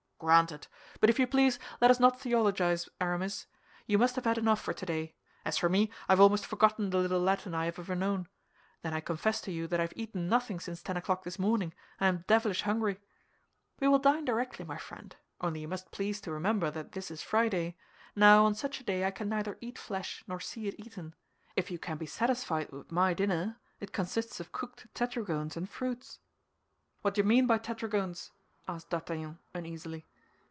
"Granted; but if you please, let us not theologize, Aramis. You must have had enough for today. As for me, I have almost forgotten the little Latin I have ever known. Then I confess to you that I have eaten nothing since ten o'clock this morning, and I am devilish hungry." "We will dine directly, my friend; only you must please to remember that this is Friday. Now, on such a day I can neither eat flesh nor see it eaten. If you can be satisfied with my dinner—it consists of cooked tetragones and fruits." "What do you mean by tetragones?" asked D'Artagnan, uneasily.